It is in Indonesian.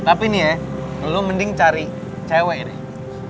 tapi nih ya lu mending cari cewek deh